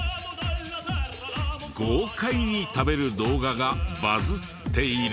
豪快に食べる動画がバズっている。